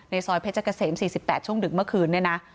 ซอยเพชรเกษม๔๘ช่วงดึกเมื่อคืนเนี่ยนะ